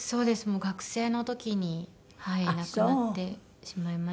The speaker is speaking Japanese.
もう学生の時に亡くなってしまいましたね。